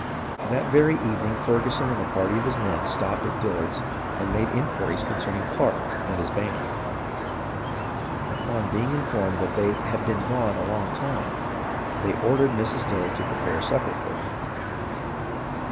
That very evening Ferguson and a party of his men stopped at Dillard's and made inquiries concerning Clarke and his band. Upon being informed tliat they "had been gone a long time," they ordered Mrs. Dillard to prepare supper for them.